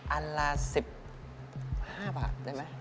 อันละ๑๕บาทได้ไหม